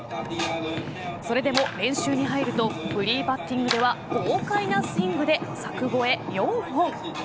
それでも練習に入るとフリーバッティングでは豪快なスイングで柵越え４本。